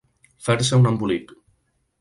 Fer-se un embolic.